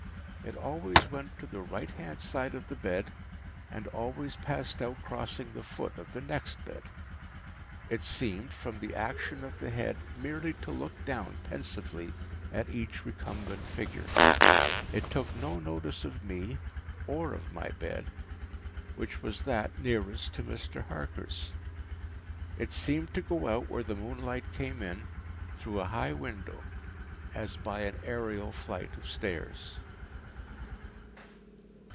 It always went to the right hand side of the bed, and always passed out crossing the foot of the next bed. It seemed, from the action of the head, merely to look down pensively at each recumbent figure. It took no notice of me, or of my bed, which was that nearest to Mr. Harker’s. It seemed to go out where the moonlight came in, through a high window, as by an aërial flight of stairs.